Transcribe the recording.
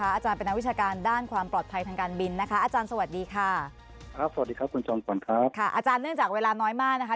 อาจารย์เป็นนักวิชาการด้านความปลอดภัยทางการบินนะคะอาจารย์สวัสดีค่ะครับสวัสดีครับคุณจอมขวัญครับค่ะอาจารย์เนื่องจากเวลาน้อยมากนะคะ